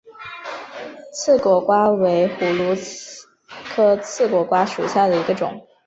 刺果瓜为葫芦科刺果瓜属下的一个种。